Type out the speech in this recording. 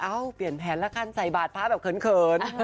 เปลี่ยนแผนละกันใส่บาทพระแบบเขิน